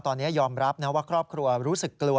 ตอนนี้ยอมรับนะว่าครอบครัวรู้สึกกลัว